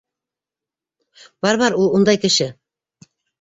Бар, бар ул ундай кеше!